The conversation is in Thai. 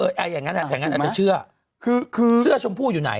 อ่าอย่างงั้นอ่ะแถวนั้นอาจจะเชื่อคือคือเสื้อชมพู่อยู่ไหน